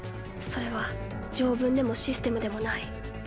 「それは条文でもシステムでもない